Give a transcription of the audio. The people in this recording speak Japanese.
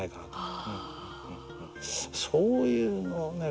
そういうのをね